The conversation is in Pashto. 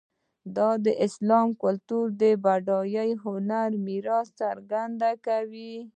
دا د اسلامي کلتور د بډایه هنري میراث څرګندونه کوي.